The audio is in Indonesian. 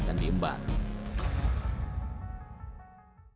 sebagai seorang pelatih